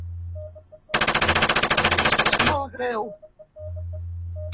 El risc és molt greu.